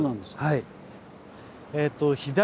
はい。